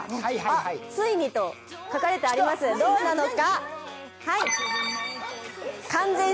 ついにと書かれてあります、どうなのか？